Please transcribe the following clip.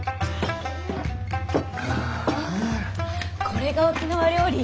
これが沖縄料理？